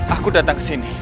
aku datang kesini